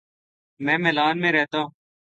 میں میلان میں رہتا ہوں